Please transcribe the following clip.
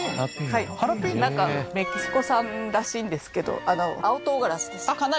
なんかメキシコ産らしいんですけど青唐辛子です